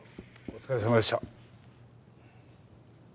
お疲れさまでした。